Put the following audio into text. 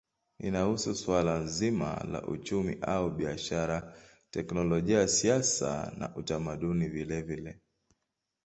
Inahusu suala zima la uchumi au biashara, teknolojia, siasa na utamaduni vilevile.